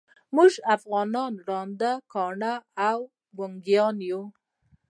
موږ افغانان ړانده، کاڼه او ګونګیان یوو.